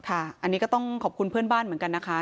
อันนี้ก็ต้องขอบคุณเพื่อนบ้านเหมือนกันนะคะ